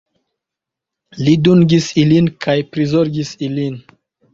Li dungis ilin kaj prizorgis ilin.